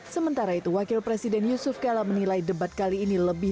sementara itu wakil presiden yusuf kala menilai debat kali ini lebih